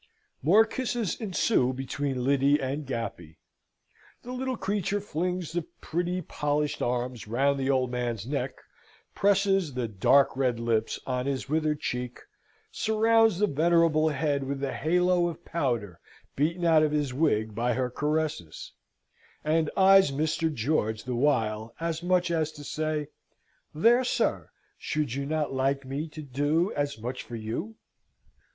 More kisses ensue between Lyddy and Gappy. The little creature flings the pretty polished arms round the old man's neck, presses the dark red lips on his withered cheek, surrounds the venerable head with a halo of powder beaten out of his wig by her caresses; and eyes Mr. George the while, as much as to say, There, sir! should you not like me to do as much for you?